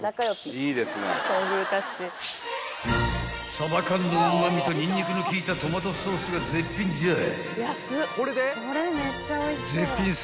［サバ缶のうま味とニンニクの効いたトマトソースが絶品じゃい］